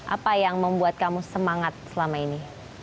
apa yang membuat kamu semangat selama ini